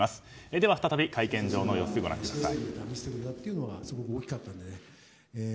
では、再び会見場の様子ご覧ください。